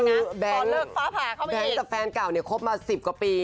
เออดูเหมือนเฝ้าภาพแฟนเก่าเนี่ยคบมาสิบกว่าปี